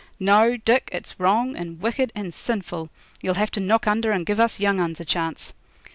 No, Dick, it's wrong and wicked and sinful. You'll have to knock under and give us young uns a chance.'